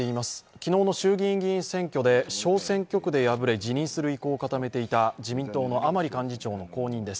昨日の衆議院選挙で小選挙区で敗れ辞任する意向を固めていた自民党の甘利幹事長の後任です。